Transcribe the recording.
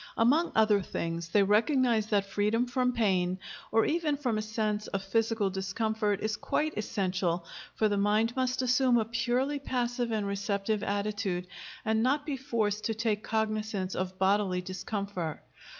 Among other things they recognize that freedom from pain, or even from a sense of physical discomfort, is quite essential, for the mind must assume a purely passive and receptive attitude, and not be forced to take cognizance of bodily discomfort.